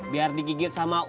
biar digigil sama ulat ya